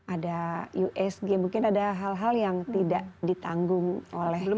ada usg mungkin ada hal hal yang tidak ditanggung oleh lembaga